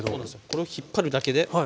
これを引っ張るだけで。